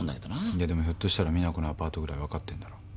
ひょっとしたら実那子のアパートぐらい分かってんだろ。